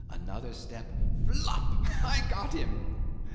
Another step. Flop! I got him!